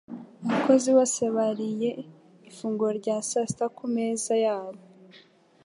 Abakozi bose bariye ifunguro rya saa sita ku meza yabo.